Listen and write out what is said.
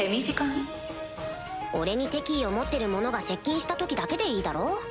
俺に敵意を持ってる者が接近した時だけでいいだろ？